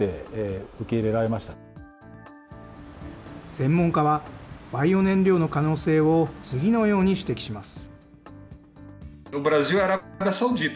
専門家は、バイオ燃料の可能性を次のように指摘します。